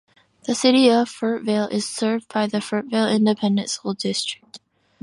The City of Fruitvale is served by the Fruitvale Independent School District.